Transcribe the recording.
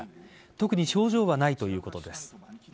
特に症状はないということです。